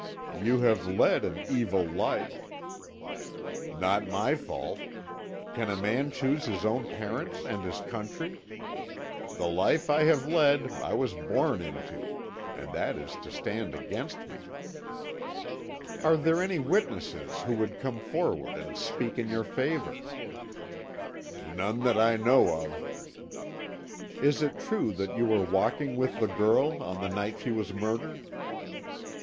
"You have led an evil life." "Not my fault. Can a man choose his own parents and his country? The life I have led I was born into; and that is to stand against me." "Are there any witnesses who would come forward and speak in your favour?" "None that I know of." "Is it true that you were walking with the girl on the night she was murdered?"